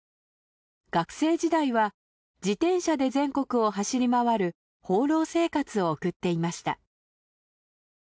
学生時代は自転車で全国を走り回る放浪生活を送っていました。